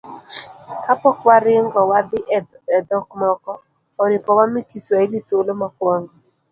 Ka pok waringo wadhi e dhok moko, oripo wamii Kiswahili thuolo mokwongo.